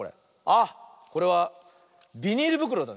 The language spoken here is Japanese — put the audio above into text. あっこれはビニールぶくろだね。